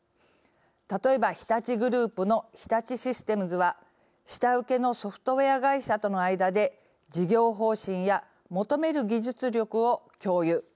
例えば、日立グループの日立システムズは下請けのソフトウエア会社との間で事業方針や求める技術力を共有。